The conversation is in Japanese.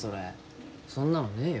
そんなのねえよ。